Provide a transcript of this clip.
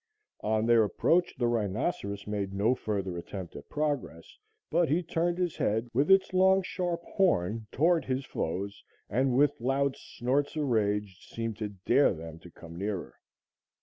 On their approach the rhinoceros made no further attempt at progress, but he turned his head with its long sharp horn toward his foes and, with loud snorts of rage, seemed to dare them to come nearer.